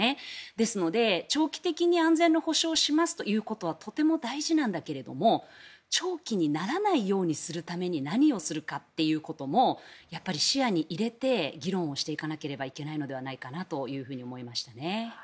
ですので、長期的に安全の保障をしますということはとても大事なんだけれど長期にならないようにするために何をするかということもやはり視野に入れて議論をしていかなければいけないのではと思いました。